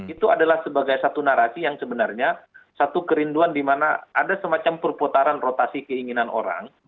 itu adalah sebagai satu narasi yang sebenarnya satu kerinduan di mana ada semacam perputaran rotasi keinginan orang